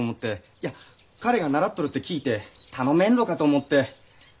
いや彼が習っとるって聞いて頼めんろかと思って。